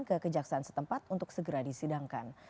kekejaksaan setempat untuk segera disidangkan